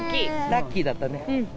ラッキーだったね。